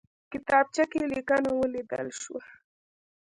کتابچه کې لیکنه ولیدل شوه.